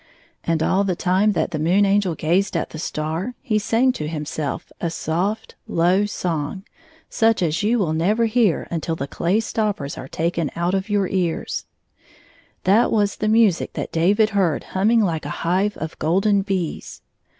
And all the time that the Moon Angel gazed at the star he sang to himself a sofl;, low song, such as you will never hear until the clay stoppers are taken out of yom ears. That was the music that David heard humming like a hive of golden bees.